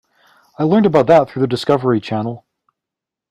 I learned about that through the Discovery Channel.